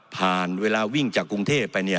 เวลาวิ่งจากกรุงเทพไปเนี่ย